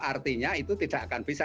artinya itu tidak akan bisa